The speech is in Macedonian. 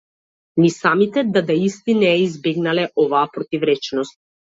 Ни самите дадаисти не ја избегнале оваа противречност.